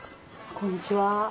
こんにちは。